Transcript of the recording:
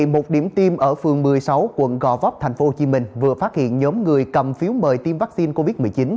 một điểm tiêm ở phường một mươi sáu quận gò vấp tp hcm vừa phát hiện nhóm người cầm phiếu mời tiêm vaccine covid một mươi chín